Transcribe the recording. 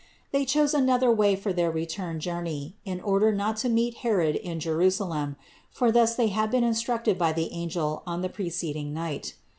They chose another way for their return journey, in order not to meet Herod in Jerusalem; for thus they had been instructed by the angel on the pre ceding1 night.